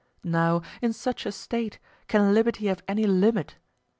Now, in such a State, can liberty have any limit?